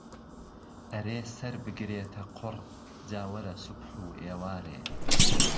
ئهرێ سهر بگرێته قوڕ جا وهره سوبح و ئێوارێ